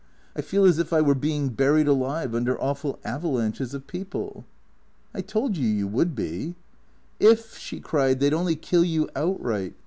I feel as if I were being buried alive under awful avalanches of people." " I told you you would be." " If," she cried, " they 'd only kill you outright.